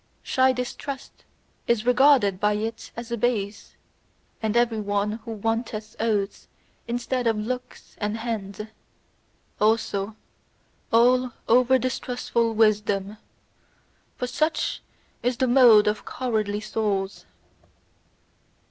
Shy distrust is regarded by it as base, and every one who wanteth oaths instead of looks and hands: also all over distrustful wisdom, for such is the mode of cowardly souls.